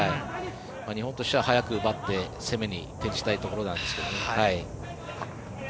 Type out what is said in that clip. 日本としては早く奪って、攻めに転じたいところなんですが。